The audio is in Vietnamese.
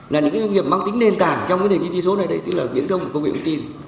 là những doanh nghiệp mang tính nền tảng trong cái nền kinh tế số này tức là viễn thông công nghệ công ty